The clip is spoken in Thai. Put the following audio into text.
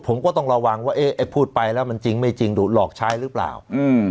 ผมก็ต้องระวังว่าเอ๊ะไอ้พูดไปแล้วมันจริงไม่จริงดูหลอกใช้หรือเปล่า